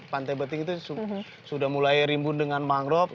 pantai beting itu sudah mulai rimbun dengan mangrove